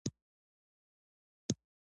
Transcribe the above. د پریري ولایتونه غنم تولیدوي.